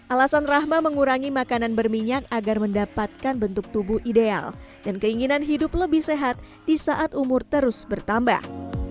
alasan rahma mengurangi makanan berminyak agar mendapatkan bentuk tubuh ideal dan keinginan hidup lebih sehat di saat umur terus bertambah